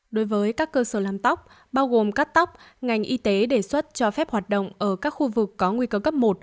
đối với các cơ sở làm tóc bao gồm cắt tóc ngành y tế đề xuất cho phép hoạt động ở các khu vực có nguy cơ cấp một